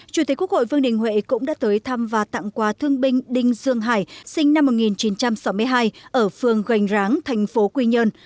chủ tịch quốc hội vương đình huệ cũng đã tới thăm và tặng quà thương binh đinh dương hải sinh năm một nghìn chín trăm sáu mươi hai ở phường gành ráng thành phố quy nhơn